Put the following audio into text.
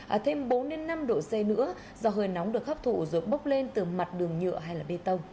ở thêm bốn năm độ c nữa do hơi nóng được hấp thụ rồi bốc lên từ mặt đường nhựa hay bê tông